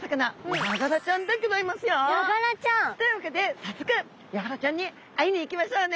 ヤガラちゃん。というわけで早速ヤガラちゃんに会いに行きましょうね。